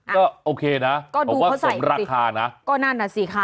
อ่ะก็โอเคนะผมว่าสมราคานะก็ดูเขาใส่กันสิก็นั่นน่ะสิค่ะ